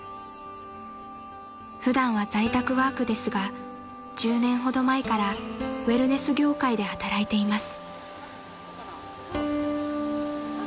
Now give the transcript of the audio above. ［普段は在宅ワークですが１０年ほど前からウェルネス業界で働いています］